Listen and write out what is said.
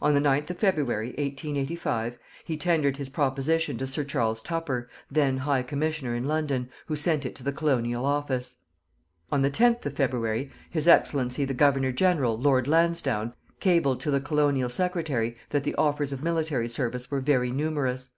On the 9th of February, 1885, he tendered his proposition to Sir Charles Tupper, then High Commissioner in London, who sent it to the Colonial Office. On the 10th of February, His Excellency the Governor General, Lord Lansdowne, cabled to the Colonial Secretary that the offers of military service were very numerous.